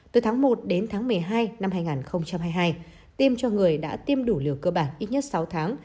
từ tháng một đến tháng một mươi hai năm hai nghìn hai mươi hai tiêm cho người đã tiêm đủ liều cơ bản ít nhất sáu tháng